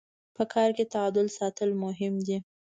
په کار کي تعادل ساتل مهم دي.